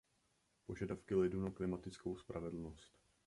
Požadavky lidu na klimatickou spravedlnost.